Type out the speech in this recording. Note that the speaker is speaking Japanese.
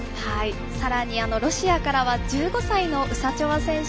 さらにロシアからは１５歳のウサチョワ選手。